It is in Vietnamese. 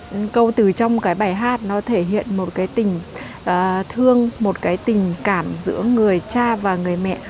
với những cái câu từ câu từ trong cái bài hát nó thể hiện một cái tình thương một cái tình cảm giữa người cha và người mẹ